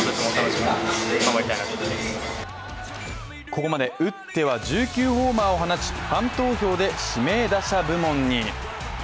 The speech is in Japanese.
ここまで、打っては１９ホーマーを放ちファン投票で指名打者部門に。